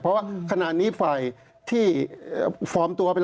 เพราะว่าขณะนี้ฝ่ายที่ฟอร์มตัวเป็น